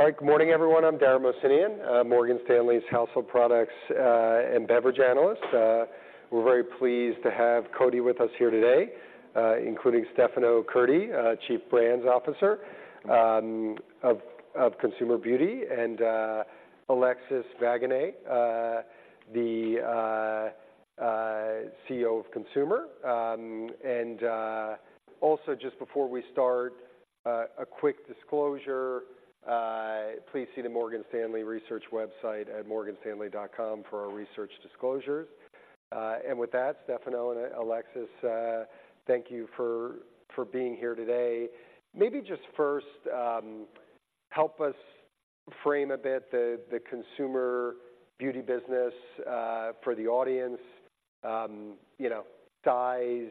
All right. Good morning, everyone. I'm Dara Mohsenian, Morgan Stanley's household products and beverage analyst. We're very pleased to have Coty with us here today, including Stefano Curti, Chief Brands Officer of Consumer Beauty, and Alexis Vaganay, the Chief Commercial Officer of Consumer Beauty. And also, just before we start, a quick disclosure, please see the Morgan Stanley research website at morganstanley.com for our research disclosures. And with that, Stefano and Alexis, thank you for being here today. Maybe just first, help us frame a bit the Consumer Beauty business for the audience. You know, size,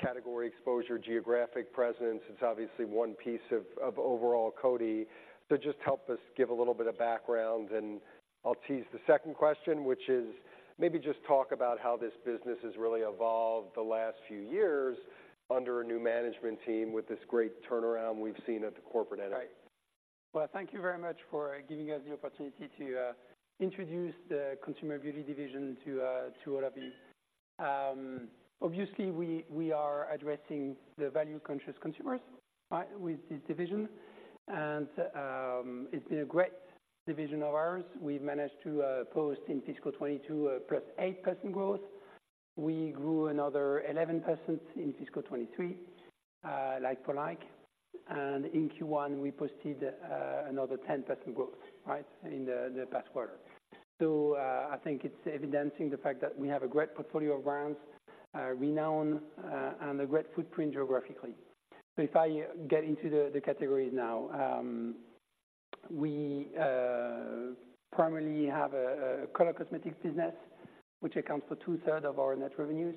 category exposure, geographic presence. It's obviously one piece of overall Coty, so just help us give a little bit of background, and I'll tease the second question, which is maybe just talk about how this business has really evolved the last few years under a new management team with this great turnaround we've seen at the corporate end. Right. Well, thank you very much for giving us the opportunity to introduce the Consumer Beauty division to to all of you. Obviously, we are addressing the value-conscious consumers, right? With this division. It's been a great division of ours. We've managed to post in fiscal 2022, a +8% growth. We grew another 11% in fiscal 2023, like-for-like, and in Q1, we posted another 10% growth, right, in the past quarter. So I think it's evidencing the fact that we have a great portfolio of brands, renowned, and a great footprint geographically. So if I get into the categories now. We primarily have a color cosmetics business, which accounts for two-thirds of our net revenues.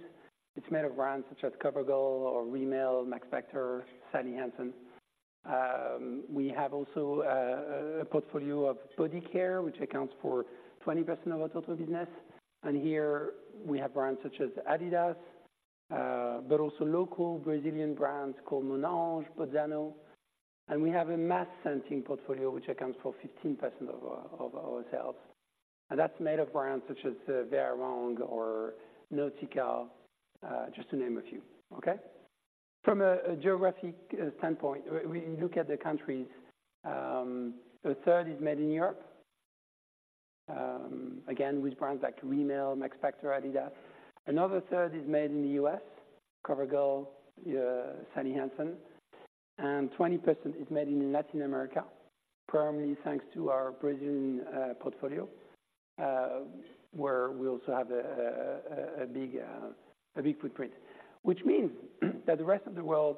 It's made of brands such as COVERGIRL or Rimmel, Max Factor, Sally Hansen. We have also a portfolio of body care, which accounts for 20% of our total business, and here we have brands such as Adidas, but also local Brazilian brands called Monange, Bozzano. And we have a mass fragrance portfolio, which accounts for 15% of our sales, and that's made of brands such as Vera Wang or Nautica, just to name a few. Okay? From a geographic standpoint, when you look at the countries, a third is made in Europe. Again, with brands like Rimmel, Max Factor, Adidas. Another third is made in the U.S., COVERGIRL, Sally Hansen, and 20% is made in Latin America, primarily thanks to our Brazilian portfolio, where we also have a big footprint. Which means that the rest of the world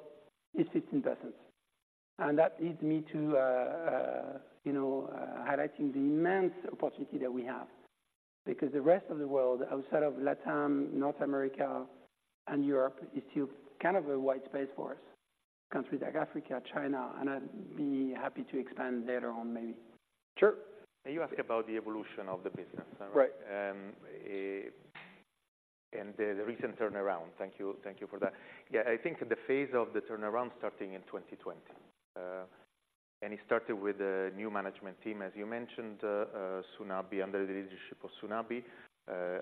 is 15%, and that leads me to, you know, highlighting the immense opportunity that we have. Because the rest of the world, outside of LatAm, North America and Europe, is still kind of a white space for us. Countries like Africa, China, and I'd be happy to expand later on, maybe. Sure. You asked about the evolution of the business, right? Right. And the recent turnaround. Thank you. Thank you for that. Yeah, I think the phase of the turnaround starting in 2020. And it started with a new management team, as you mentioned, Sue Nabi, under the leadership of Sue Nabi.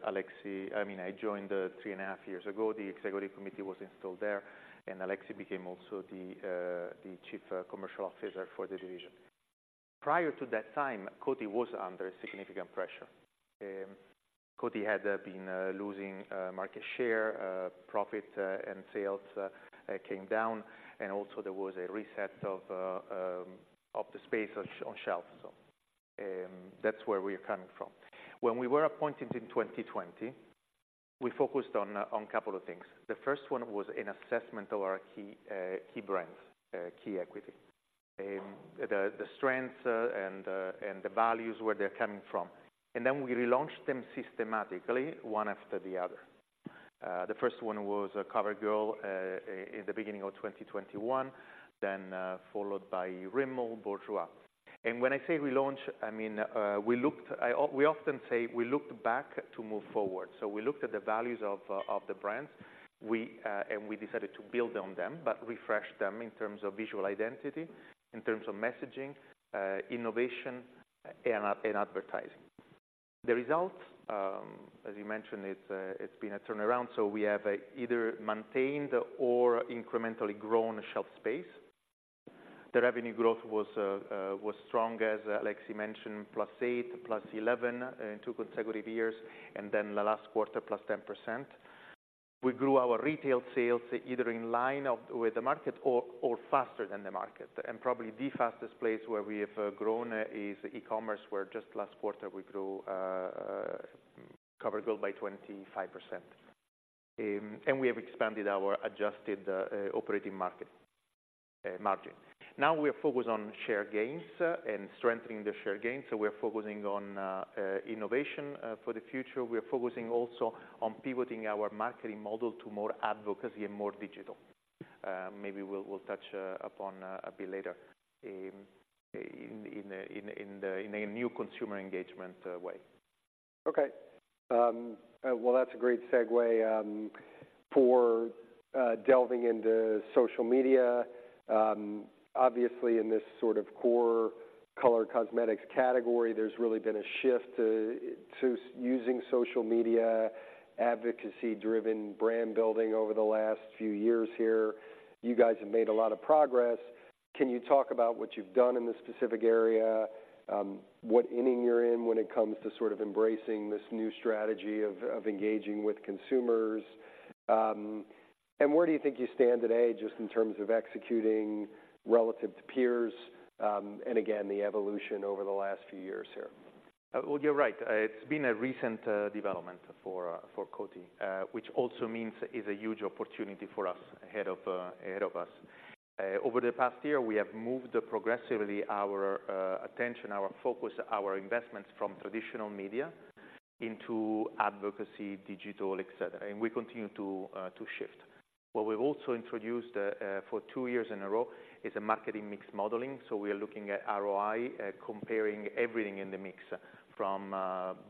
Alexis, I mean, I joined three and a half years ago. The executive committee was installed there, and Alexis became also the Chief Commercial Officer for the division. Prior to that time, Coty was under significant pressure. Coty had been losing market share, profit, and sales came down, and also there was a reset of the space on shelves. So, that's where we're coming from. When we were appointed in 2020, we focused on a couple of things. The first one was an assessment of our key brands, key equity. The strengths and the values, where they're coming from, and then we relaunched them systematically, one after the other. The first one was COVERGIRL in the beginning of 2021, then followed by Rimmel, Bourjois. And when I say relaunch, I mean, we often say we looked back to move forward. So we looked at the values of the brands. And we decided to build on them, but refresh them in terms of visual identity, in terms of messaging, innovation, and advertising. The results, as you mentioned, it's been a turnaround, so we have either maintained or incrementally grown shelf space. The revenue growth was strong, as Alexis mentioned, +8%, +11% in two consecutive years, and then the last quarter, +10%. We grew our retail sales either in line with the market or faster than the market, and probably the fastest place where we have grown is e-commerce, where just last quarter, we grew COVERGIRL by 25%. And we have expanded our adjusted operating margin. Now we are focused on share gains and strengthening the share gains, so we're focusing on innovation for the future. We're focusing also on pivoting our marketing model to more advocacy and more digital. Maybe we'll touch upon a bit later in a new consumer engagement way. Okay. Well, that's a great segue for delving into social media. Obviously, in this sort of core color cosmetics category, there's really been a shift to using social media, advocacy-driven brand building over the last few years here. You guys have made a lot of progress. Can you talk about what you've done in this specific area? What inning you're in when it comes to sort of embracing this new strategy of engaging with consumers? And where do you think you stand today, just in terms of executing relative to peers, and again, the evolution over the last few years here? Well, you're right. It's been a recent development for Coty, which also means is a huge opportunity for us ahead of us. Over the past year, we have moved progressively our attention, our focus, our investments from traditional media into advocacy, digital, et cetera, and we continue to shift. What we've also introduced for two years in a row is a marketing mix modeling. So we are looking at ROI, comparing everything in the mix, from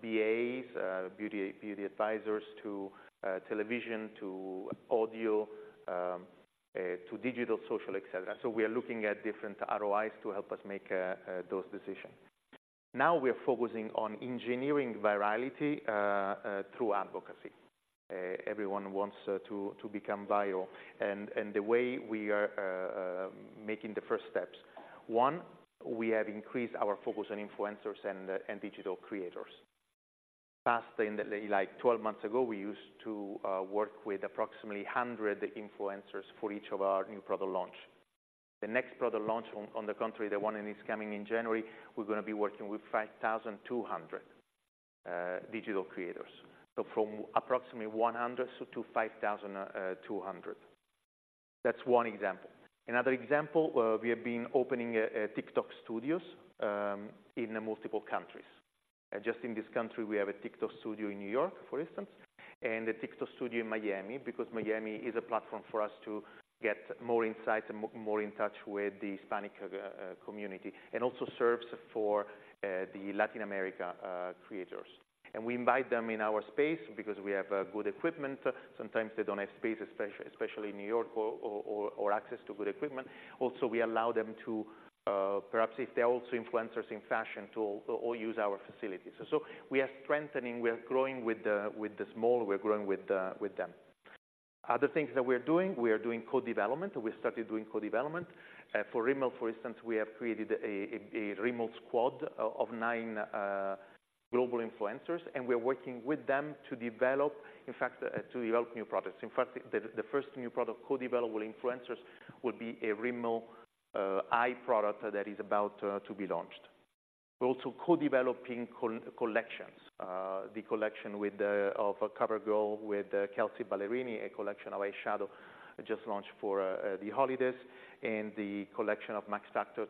BAs, beauty advisors, to television, to audio, to digital, social, et cetera. So we are looking at different ROIs to help us make those decisions. Now we are focusing on engineering virality through advocacy. Everyone wants to become viral, and the way we are making the first steps: One, we have increased our focus on influencers and digital creators. Past, in the like 12 months ago, we used to work with approximately 100 influencers for each of our new product launch. The next product launch on the country, the one that is coming in January, we're gonna be working with 5,200 digital creators. So from approximately 100 to 5,200. That's one example. Another example, we have been opening TikTok studios in multiple countries. Just in this country, we have a TikTok studio in New York, for instance, and a TikTok studio in Miami, because Miami is a platform for us to get more insight and more in touch with the Hispanic community, and also serves for the Latin America creators. We invite them in our space because we have good equipment. Sometimes they don't have space, especially in New York or access to good equipment. Also, we allow them to perhaps if they're also influencers in fashion, to or use our facilities. So we are strengthening, we are growing with the small, we're growing with them. Other things that we're doing, we are doing co-development. We started doing co-development. For Rimmel, for instance, we have created a Rimmel squad of nine global influencers, and we're working with them to develop, in fact, to develop new products. In fact, the first new product co-developed with influencers will be a Rimmel eye product that is about to be launched. We're also co-developing collections. The collection with COVERGIRL with Kelsea Ballerini, a collection of eyeshadow just launched for the holidays, and the collection of Max Factor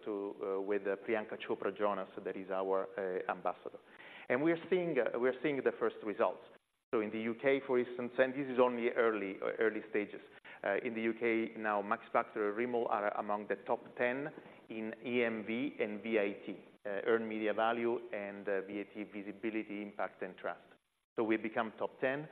with Priyanka Chopra Jonas, that is our ambassador. We are seeing the first results. So in the U.K., for instance, and this is only early stages. In the U.K. now, Max Factor and Rimmel are among the top 10 in EMV and VIT, Earned Media Value and VIT, Visibility, Impact and Trust. So we've become top 10.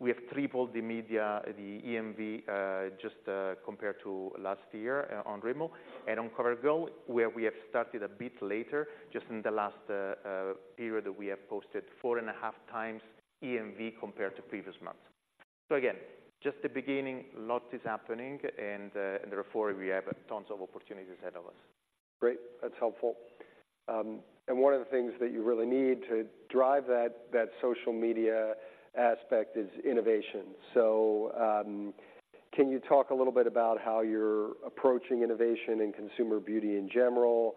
We have tripled the media, the EMV, just compared to last year on Rimmel and on COVERGIRL, where we have started a bit later, just in the last period, we have posted 4.5x EMV compared to previous months. So again, just the beginning, a lot is happening and therefore we have tons of opportunities ahead of us. Great, that's helpful. And one of the things that you really need to drive that, that social media aspect is innovation. So, can you talk a little bit about how you're approaching innovation in Consumer Beauty in general?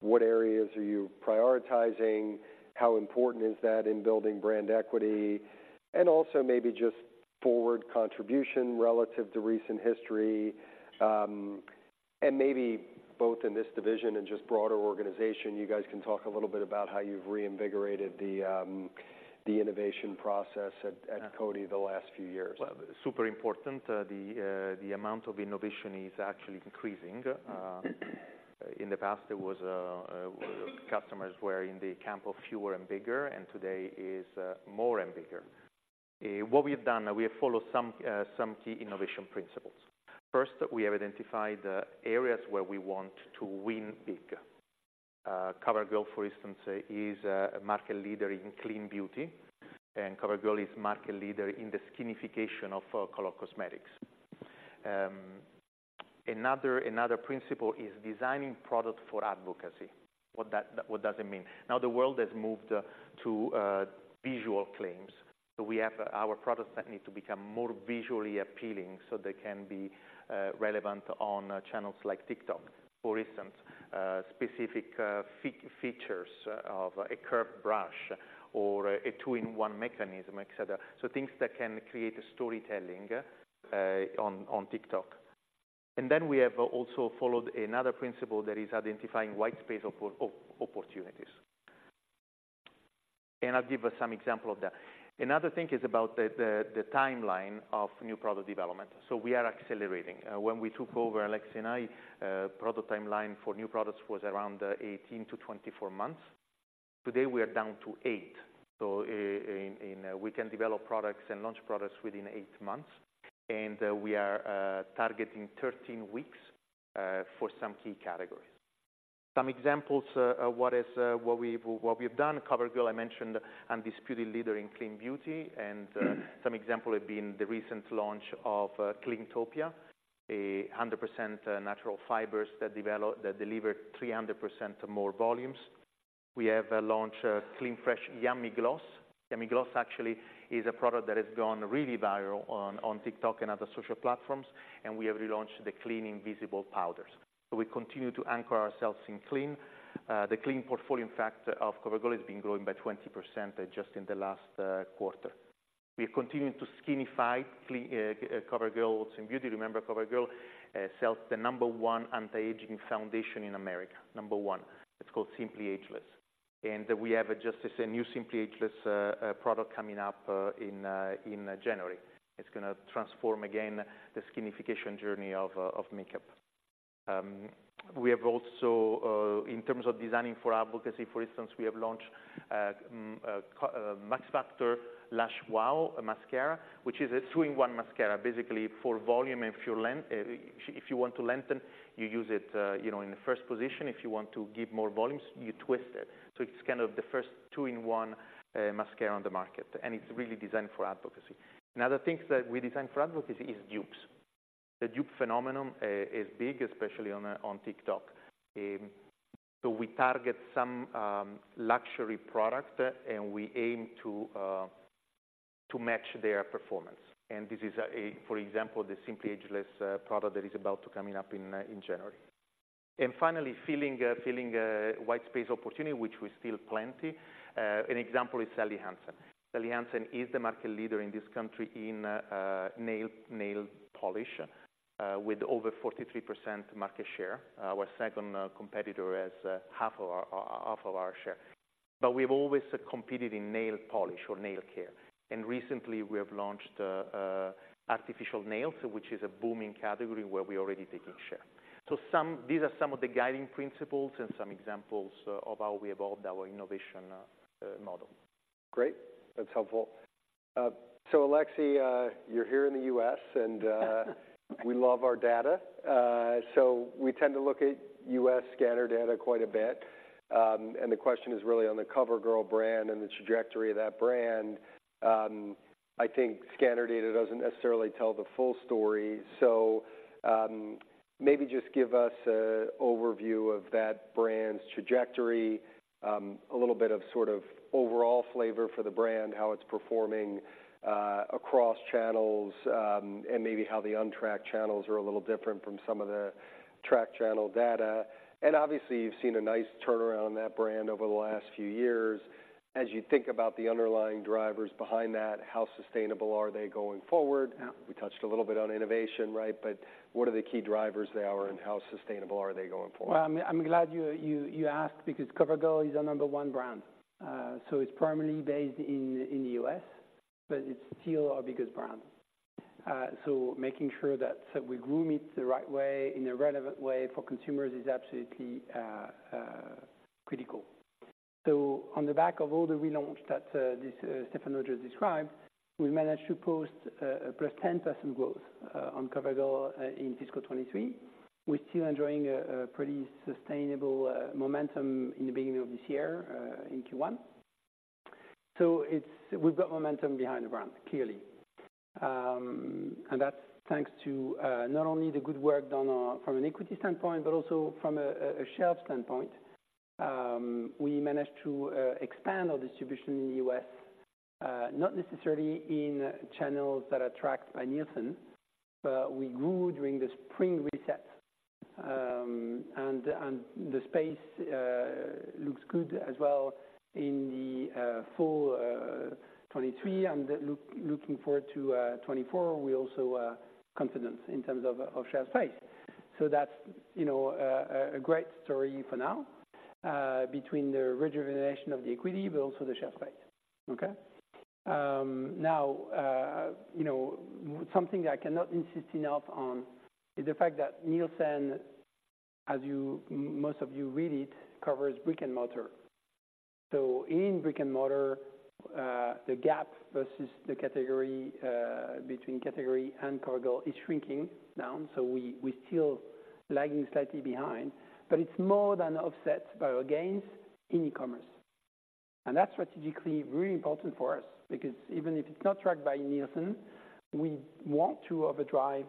What areas are you prioritizing? How important is that in building brand equity? And also maybe just forward contribution relative to recent history. And maybe both in this division and just broader organization, you guys can talk a little bit about how you've reinvigorated the, the innovation process at Coty the last few years? Well, super important, the amount of innovation is actually increasing. In the past, customers were in the camp of fewer and bigger, and today is more and bigger. What we've done, we have followed some key innovation principles. First, we have identified the areas where we want to win big. COVERGIRL, for instance, is a market leader in clean beauty, and COVERGIRL is market leader in the skinification of color cosmetics. Another principle is designing product for advocacy. What does that mean? Now, the world has moved to visual claims, so we have our products that need to become more visually appealing so they can be relevant on channels like TikTok. For instance, specific features of a curved brush or a two-in-one mechanism, etc. So things that can create a storytelling on TikTok. And then we have also followed another principle that is identifying white space opportunities. And I'll give us some example of that. Another thing is about the timeline of new product development. So we are accelerating. When we took over, Alexis and I, product timeline for new products was around 18-24 months. Today, we are down to eight months. So we can develop products and launch products within eight months, and we are targeting 13 weeks for some key categories. Some examples of what we've done, COVERGIRL, I mentioned, undisputed leader in clean beauty. Some examples have been the recent launch of Cleantopia, 100% natural fibers that deliver 300% more volumes. We have launched a Clean Fresh Yummy Gloss. Yummy Gloss actually is a product that has gone really viral on TikTok and other social platforms, and we have relaunched the Clean Invisible powders. So we continue to anchor ourselves in clean. The clean portfolio, in fact, of COVERGIRL, has been growing by 20% just in the last quarter. We have continued to skinify COVERGIRL's in Consumer Beauty. Remember, COVERGIRL sells the number one anti-aging foundation in America. Number one. It's called Simply Ageless, and we have just a new Simply Ageless product coming up in January. It's gonna transform again, the skinification journey of makeup. We have also, in terms of designing for advocacy, for instance, we have launched Max Factor Lash Wow Mascara, which is a two-in-one mascara, basically for volume and if you want to lengthen, you use it, you know, in the first position. If you want to give more volumes, you twist it. So it's kind of the first two-in-one mascara on the market, and it's really designed for advocacy. And other things that we design for advocacy is dupes. The dupe phenomenon is big, especially on TikTok. So we target some luxury product, and we aim to match their performance. And this is, for example, the Simply Ageless product that is about to coming up in January. Finally, filling white space opportunity, which we still plenty. An example is Sally Hansen. Sally Hansen is the market leader in this country in nail polish with over 43% market share. Our second competitor has half of our share. But we've always competed in nail polish or nail care, and recently we have launched artificial nails, which is a booming category where we're already taking share. So, these are some of the guiding principles and some examples of how we evolved our innovation model. Great, that's helpful. Alexis, you're here in the U.S., and we love our data. We tend to look at U.S. scanner data quite a bit, and the question is really on the COVERGIRL brand and the trajectory of that brand. I think scanner data doesn't necessarily tell the full story, so maybe just give us an overview of that brand's trajectory. A little bit of sort of overall flavor for the brand, how it's performing across channels, and maybe how the untracked channels are a little different from some of the tracked channel data. Obviously, you've seen a nice turnaround on that brand over the last few years. As you think about the underlying drivers behind that, how sustainable are they going forward? Yeah. We touched a little bit on innovation, right? But what are the key drivers there, and how sustainable are they going forward? Well, I'm glad you asked, because COVERGIRL is our number one brand. So it's primarily based in the U.S., but it's still our biggest brand. So making sure that we groom it the right way, in a relevant way for consumers is absolutely critical. So on the back of all the relaunch that this Stefano just described, we managed to post a +10% growth on COVERGIRL in fiscal 2023. We're still enjoying a pretty sustainable momentum in the beginning of this year in Q1. So it's. We've got momentum behind the brand, clearly. And that's thanks to not only the good work done from an equity standpoint, but also from a shelf standpoint. We managed to expand our distribution in the U.S., not necessarily in channels that are tracked by Nielsen, but we grew during the spring reset. The space looks good as well in the fall 2023. Looking forward to 2024, we're also confident in terms of shelf space. So that's, you know, a great story for now, between the rejuvenation of the equity, but also the shelf space. Okay? Now, you know, something I cannot insist enough on is the fact that Nielsen, as most of you read it, covers brick-and-mortar. So in brick-and-mortar, the gap versus the category, between category and COVERGIRL is shrinking down, so we're still lagging slightly behind, but it's more than offset by our gains in e-commerce. And that's strategically really important for us, because even if it's not tracked by Nielsen, we want to overdrive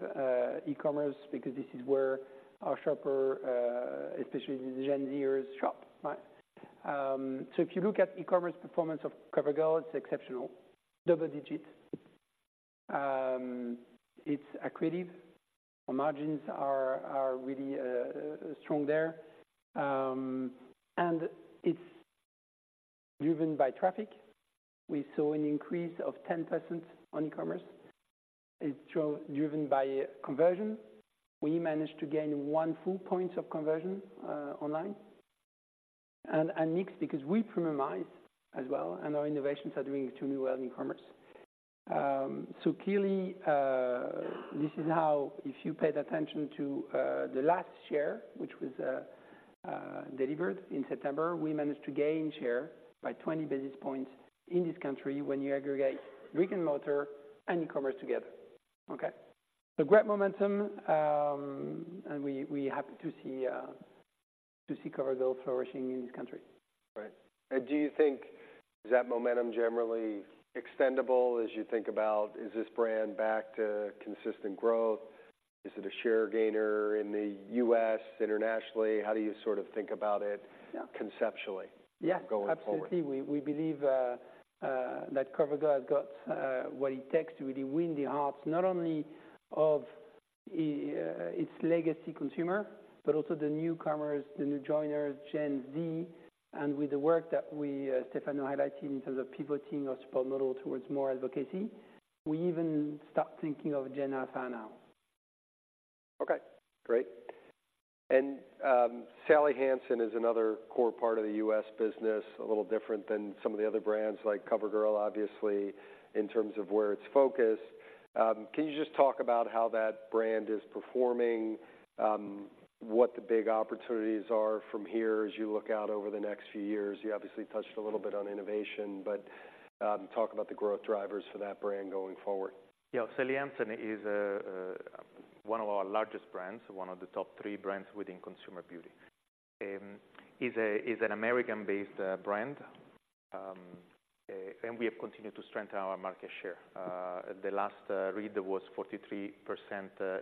e-commerce, because this is where our shopper, especially the Gen Zers, shop, right? So if you look at e-commerce performance of COVERGIRL, it's exceptional, double digits. It's accretive. Our margins are really strong there. And it's driven by traffic. We saw an increase of 10% on e-commerce. It's driven by conversion. We managed to gain one full point of conversion online, and mix, because we premiumize as well, and our innovations are doing extremely well in commerce. So clearly, this shows if you paid attention to the last quarter, which was delivered in September, we managed to gain share by 20 basis points in this country when you aggregate brick and mortar and e-commerce together. Okay? Great momentum, and we're happy to see COVERGIRL flourishing in this country. Right. And do you think, is that momentum generally extendable as you think about, is this brand back to consistent growth? Is it a share gainer in the U.S., internationally? How do you sort of think about it- Yeah. -conceptually- Yeah. -going forward? Absolutely. We believe that COVERGIRL has got what it takes to really win the hearts, not only of its legacy consumer, but also the newcomers, the new joiners, Gen Z. And with the work that we, Stefano, highlighted in terms of pivoting our support model towards more advocacy, we even start thinking of Gen Alpha now. Okay, great. Sally Hansen is another core part of the U.S. business, a little different than some of the other brands like COVERGIRL, obviously, in terms of where it's focused. Can you just talk about how that brand is performing, what the big opportunities are from here as you look out over the next few years? You obviously touched a little bit on innovation, but, talk about the growth drivers for that brand going forward. Yeah, Sally Hansen is one of our largest brands, one of the top three brands within Consumer Beauty. Is an American-based brand, and we have continued to strengthen our market share. The last read was 43%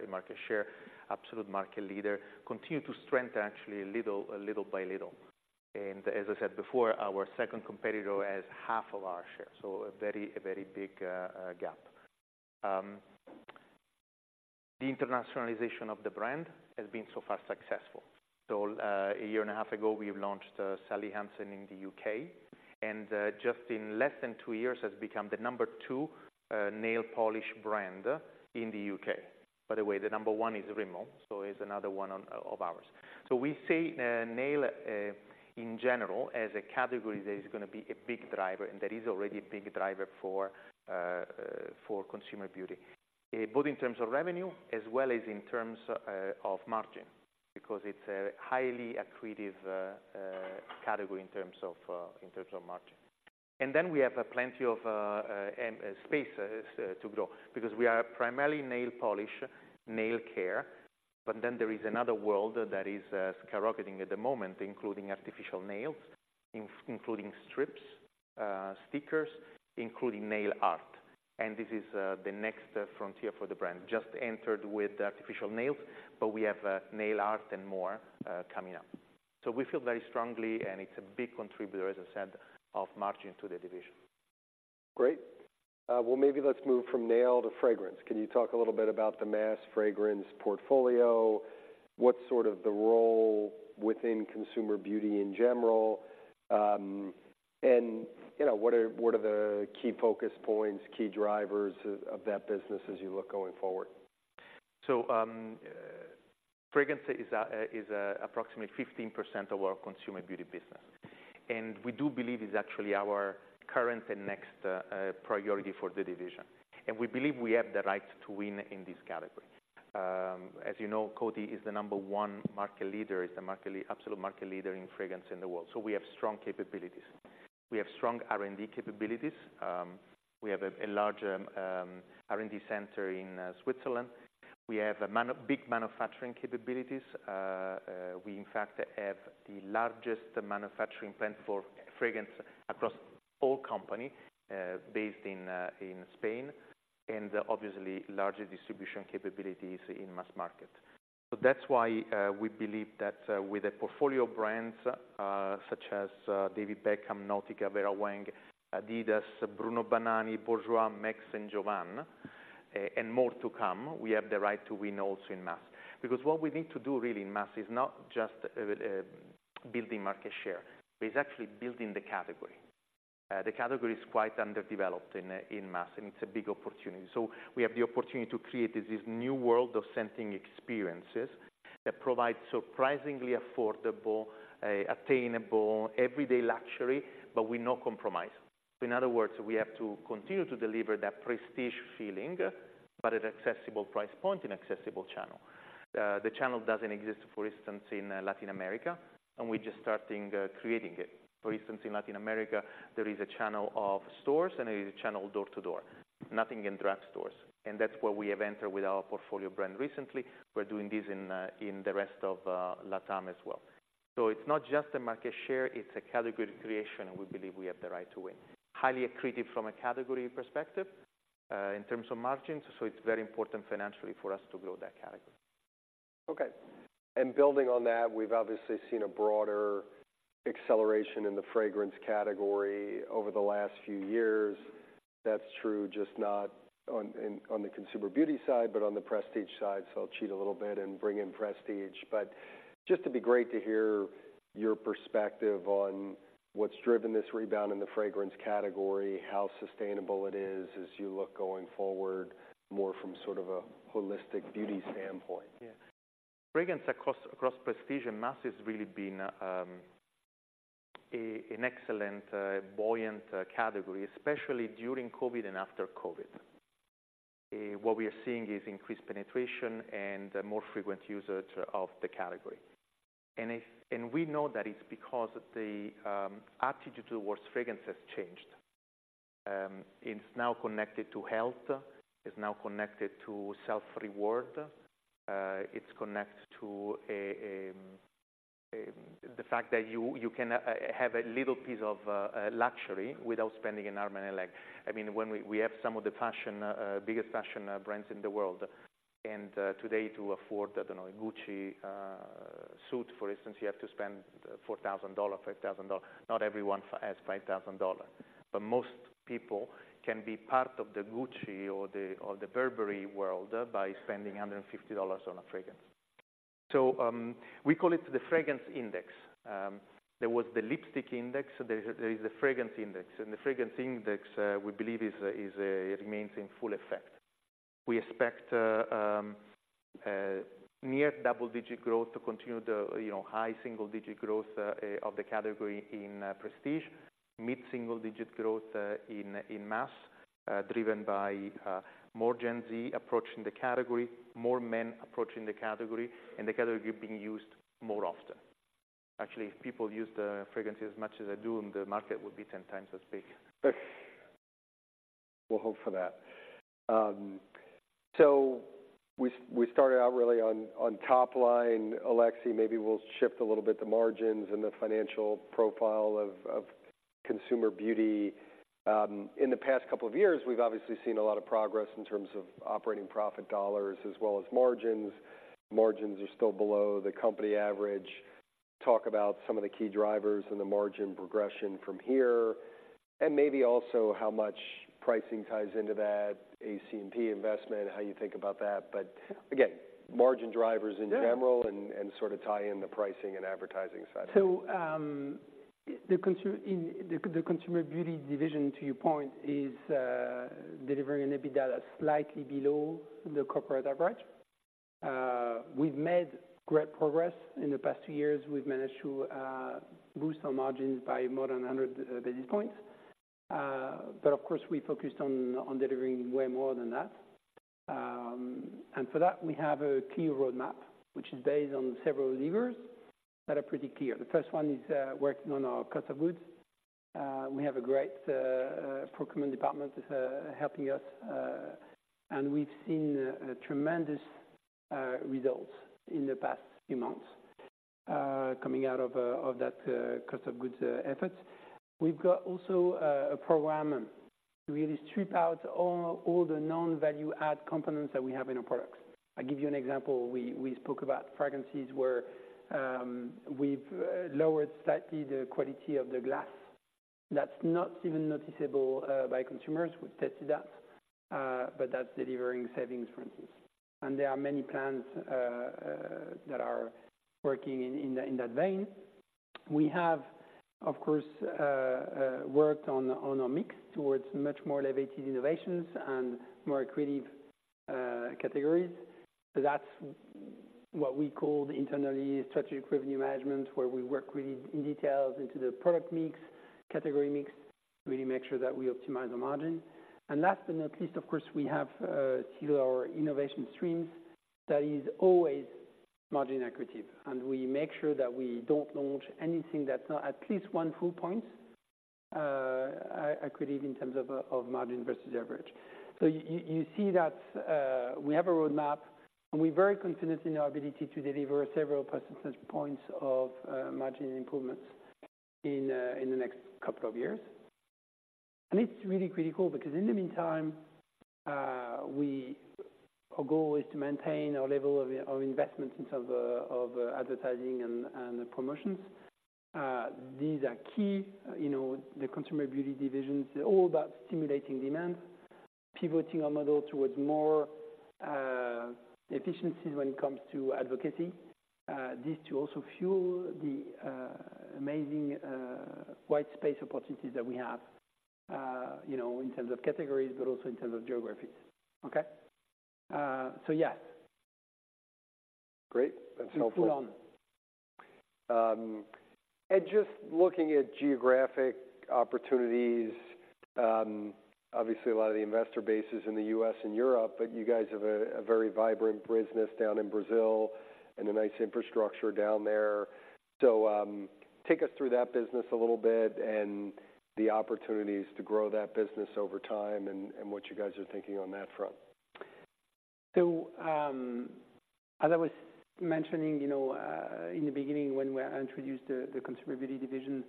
in market share, absolute market leader. Continue to strengthen actually, little by little. And as I said before, our second competitor has half of our share, so a very big gap. The internationalization of the brand has been so far successful. So, a year and a half ago, we launched Sally Hansen in the U.K., and just in less than two years, has become the number two nail polish brand in the U.K. By the way, the number one is Rimmel, so it's another one of ours. So we see nail in general as a category that is gonna be a big driver, and that is already a big driver for Consumer Beauty both in terms of revenue as well as in terms of margin, because it's a highly accretive category in terms of margin. And then we have plenty of spaces to grow, because we are primarily nail polish, nail care, but then there is another world that is skyrocketing at the moment, including artificial nails, including strips, stickers, including nail art. And this is the next frontier for the brand. Just entered with artificial nails, but we have nail art and more coming up. We feel very strongly, and it's a big contributor, as I said, of margin to the division. Great. Well, maybe let's move from nail to fragrance. Can you talk a little bit about the mass fragrance portfolio? What's sort of the role within Consumer Beauty in general? And, you know, what are the key focus points, key drivers of that business as you look going forward? So, fragrance is approximately 15% of our Consumer Beauty business, and we do believe it's actually our current and next priority for the division, and we believe we have the right to win in this category. As you know, Coty is the number one market leader, is the absolute market leader in fragrance in the world. So we have strong capabilities. We have strong R&D capabilities. We have a large R&D center in Switzerland. We have big manufacturing capabilities. We in fact have the largest manufacturing plant for fragrance across all company based in Spain, and obviously, larger distribution capabilities in mass market. So that's why we believe that with a portfolio of brands such as David Beckham, Nautica, Vera Wang, Adidas, Bruno Banani, Bourjois, Max Factor and Jovan, and more to come, we have the right to win also in mass. Because what we need to do really in mass is not just building market share, but it's actually building the category. The category is quite underdeveloped in mass, and it's a big opportunity. So we have the opportunity to create this new world of sensing experiences that provide surprisingly affordable attainable, everyday luxury, but with no compromise. So in other words, we have to continue to deliver that prestige feeling, but at accessible price point and accessible channel. The channel doesn't exist, for instance, in Latin America, and we're just starting creating it. For instance, in Latin America, there is a channel of stores and a channel door-to-door, nothing in drugstores. And that's where we have entered with our portfolio brand recently. We're doing this in the rest of Latin as well. So it's not just a market share, it's a category creation, and we believe we have the right to win. Highly accretive from a category perspective, in terms of margins, so it's very important financially for us to grow that category. Okay. And building on that, we've obviously seen a broader acceleration in the fragrance category over the last few years. That's true, just not only on the Consumer Beauty side, but on the prestige side. So I'll cheat a little bit and bring in prestige, but just it'd be great to hear your perspective on what's driven this rebound in the fragrance category, how sustainable it is as you look going forward, more from sort of a holistic beauty standpoint? Yeah. Fragrance across, across prestige and mass has really been an excellent, buoyant category, especially during COVID and after COVID. What we are seeing is increased penetration and more frequent usage of the category. And we know that it's because of the attitude towards fragrance has changed. It's now connected to health, it's now connected to self-reward, it's connected to the fact that you, you can have a little piece of luxury without spending an arm and a leg. I mean, when we, we have some of the fashion, biggest fashion, brands in the world, and, today, to afford, I don't know, a Gucci suit, for instance, you have to spend $4,000, $5,000. Not everyone has $5,000, but most people can be part of the Gucci or the Burberry world by spending $150 on a fragrance. So, we call it the fragrance index. There was the lipstick index, so there is a fragrance index, and the fragrance index we believe is remains in full effect. We expect near double-digit growth to continue the you know high single-digit growth of the category in prestige. Mid-single-digit growth in mass driven by more Gen Z approaching the category, more men approaching the category, and the category being used more often. Actually, if people used fragrances as much as I do, the market would be ten times as big. We'll hope for that. So we started out really on top line, Alexis. Maybe we'll shift a little bit to margins and the financial profile of Consumer Beauty. In the past couple of years, we've obviously seen a lot of progress in terms of operating profit dollars as well as margins. Margins are still below the company average. Talk about some of the key drivers and the margin progression from here, and maybe also how much pricing ties into that A&P investment, how you think about that? But again, margin drivers in general and sort of tie in the pricing and advertising side. So, the Consumer Beauty division, to your point, is delivering an EBITDA slightly below the corporate average. We've made great progress. In the past two years, we've managed to boost our margins by more than 100 basis points. But of course, we focused on delivering way more than that. And for that, we have a clear roadmap, which is based on several levers that are pretty clear. The first one is working on our cost of goods. We have a great procurement department helping us, and we've seen tremendous results in the past few months, coming out of that cost of goods efforts. We've got also a program to really strip out all the non-value add components that we have in our products. I'll give you an example. We spoke about fragrances where we've lowered slightly the quality of the glass. That's not even noticeable by consumers. We've tested that. But that's delivering savings, for instance. And there are many plans that are working in that vein. We have, of course, worked on our mix towards much more elevated innovations and more accretive categories. So that's what we call internally strategic revenue management, where we work really in details into the product mix, category mix, really make sure that we optimize the margin. And last but not least, of course, we have still our innovation streams. That is always margin accretive, and we make sure that we don't launch anything that's not at least one full point accretive in terms of of margin versus average. So you see that we have a roadmap, and we're very confident in our ability to deliver several percentage points of margin improvements in the next couple of years. And it's really critical because in the meantime, we Our goal is to maintain our level of of investment in terms of advertising and promotions. These are key, you know, the Consumer Beauty division is all about stimulating demand, pivoting our model towards more efficiencies when it comes to advocacy. This to also fuel the amazing white space opportunities that we have, you know, in terms of categories, but also in terms of geographies. Okay? So yeah. Great. That's helpful. We put on. Just looking at geographic opportunities, obviously a lot of the investor base is in the U.S. and Europe, but you guys have a very vibrant business down in Brazil and a nice infrastructure down there. Take us through that business a little bit and the opportunities to grow that business over time and what you guys are thinking on that front. So, as I was mentioning, you know, in the beginning when we introduced the Consumer Beauty division,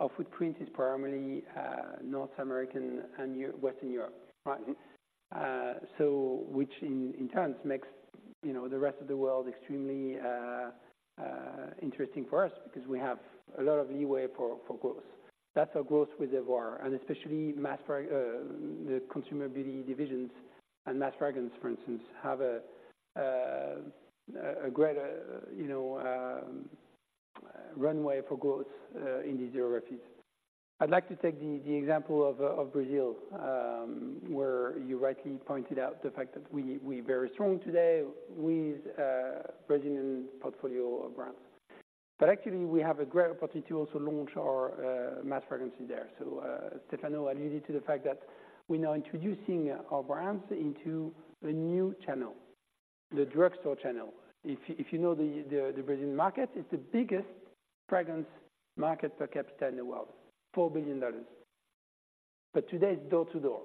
our footprint is primarily North American and Western Europe. Right? So which in turn makes, you know, the rest of the world extremely interesting for us because we have a lot of leeway for growth. That's our growth with abroad, and especially mass fragrance, the Consumer Beauty divisions and mass fragrance, for instance, have a great, you know, runway for growth in these geographies. I'd like to take the example of Brazil, where you rightly pointed out the fact that we're very strong today with a Brazilian portfolio of brands. But actually, we have a great opportunity to also launch our mass fragrance there. So, Stefano alluded to the fact that we're now introducing our brands into a new channel, the drugstore channel. If you know the Brazilian market, it's the biggest fragrance market per capita in the world, $4 billion. But today, it's door-to-door,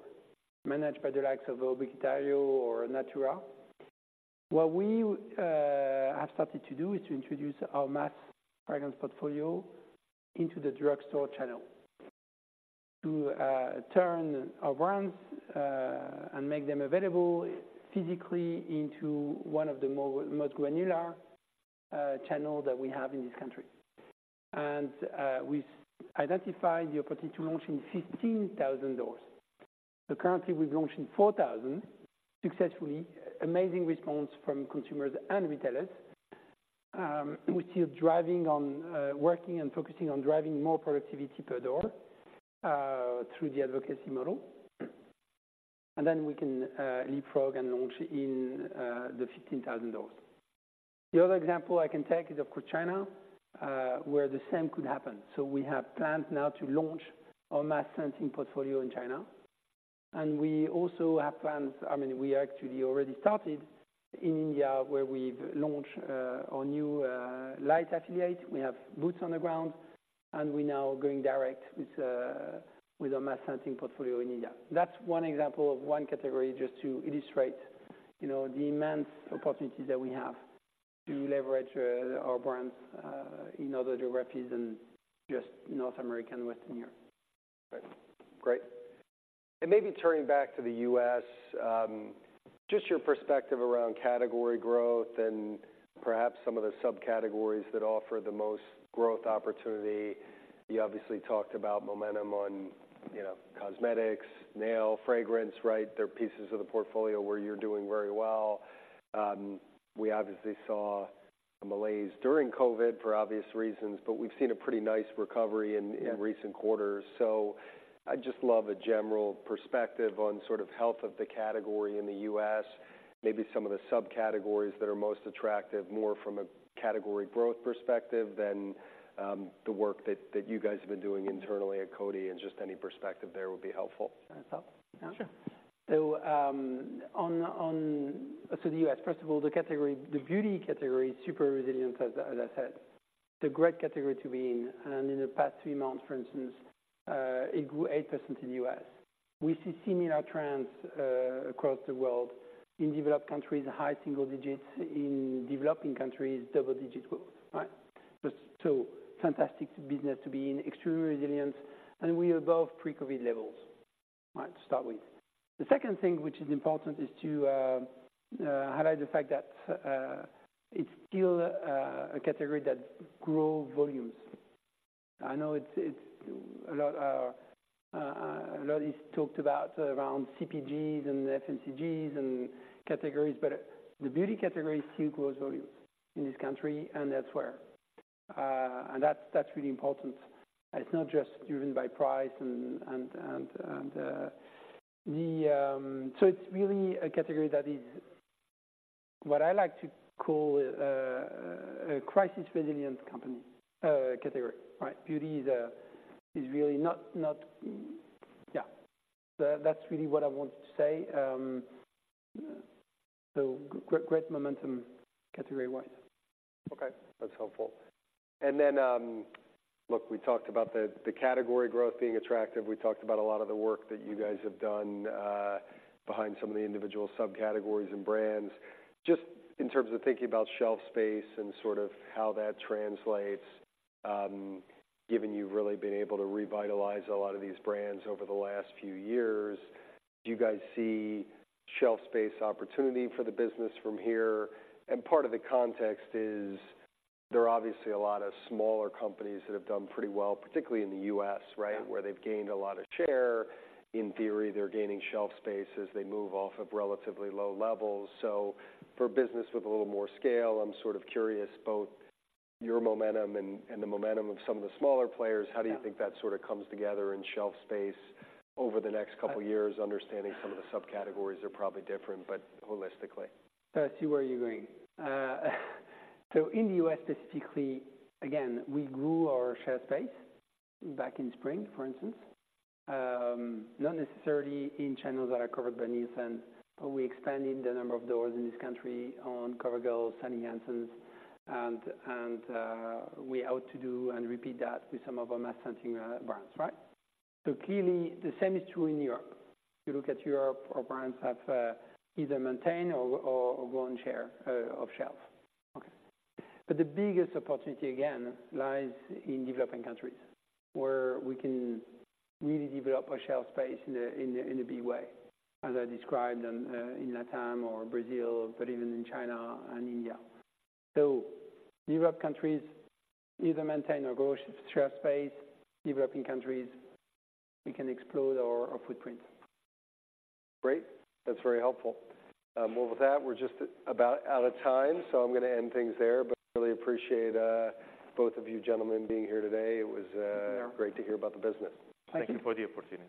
managed by the likes of O Boticário or Natura. What we have started to do is to introduce our mass fragrance portfolio into the drugstore channel, to turn our brands and make them available physically into one of the more most granular channels that we have in this country. And we've identified the opportunity to launch in 15,000 doors. So currently, we've launched in 4,000 successfully. Amazing response from consumers and retailers. We're still driving on, working and focusing on driving more productivity per door through the advocacy model. Then we can leapfrog and launch in the 15,000 doors. The other example I can take is, of course, China, where the same could happen. We have plans now to launch our mass fragrance portfolio in China, and we also have plans, I mean, we actually already started in India, where we've launched our new light affiliate. We have boots on the ground, and we're now going direct with our mass fragrance portfolio in India. That's one example of one category, just to illustrate, you know, the immense opportunities that we have to leverage our brands in other geographies than just North America and Western Europe. Great. Great. Maybe turning back to the U.S., just your perspective around category growth and perhaps some of the subcategories that offer the most growth opportunity. You obviously talked about momentum on, you know, cosmetics, nail, fragrance, right? They're pieces of the portfolio where you're doing very well. We obviously saw a malaise during COVID, for obvious reasons, but we've seen a pretty nice recovery in recent quarters. So I'd just love a general perspective on sort of health of the category in the U.S. Maybe some of the subcategories that are most attractive, more from a category growth perspective than the work that you guys have been doing internally at Coty, and just any perspective there would be helpful. Sure. So the U.S., first of all, the category, the beauty category, is super resilient, as I said, it's a great category to be in, and in the past three months, for instance, it grew 8% in the U.S. We see similar trends across the world. In developed countries, high single digits, in developing countries, double-digit growth, right? So fantastic business to be in. Extremely resilient, and we are above pre-COVID levels, right? To start with. The second thing, which is important, is to highlight the fact that, it's still a category that grow volumes. I know it's a lot, a lot is talked about around CPGs and FMCGs and categories, but the beauty category still grows volume in this country and elsewhere. And that's really important. It's not just driven by price. So it's really a category that is what I like to call a crisis resilient company, category, right? Beauty is really not. That's really what I wanted to say. So great momentum, category-wise. Okay, that's helpful. And then, look, we talked about the category growth being attractive. We talked about a lot of the work that you guys have done behind some of the individual subcategories and brands. Just in terms of thinking about shelf space and sort of how that translates, given you've really been able to revitalize a lot of these brands over the last few years, do you guys see shelf space opportunity for the business from here? And part of the context is there are obviously a lot of smaller companies that have done pretty well, particularly in the U.S., right? Where they've gained a lot of share. In theory, they're gaining shelf space as they move off of relatively low levels. So for a business with a little more scale, I'm sort of curious, both your momentum and, and the momentum of some of the smaller players. How do you think that sort of comes together in shelf space over the next couple years? Understanding some of the subcategories are probably different, but holistically. I see where you're going. So in the U.S. specifically, again, we grew our shelf space back in spring, for instance, not necessarily in channels that are covered by Nielsen, but we expanded the number of doors in this country on COVERGIRL, Sally Hansen, and we ought to do and repeat that with some of our mass fragrance brands, right? So clearly, the same is true in Europe. If you look at Europe, our brands have either maintained or grown share of shelf. Okay, but the biggest opportunity, again, lies in developing countries, where we can really develop our shelf space in a big way, as I described in LatAm or Brazil, but even in China and India. So developed countries either maintain or grow shelf space. Developing countries, we can explode our footprint. Great. That's very helpful. Well, with that, we're just about out of time, so I'm going to end things there, but really appreciate both of you gentlemen being here today. It was great to hear about the business. Thank you. Thank you for the opportunity.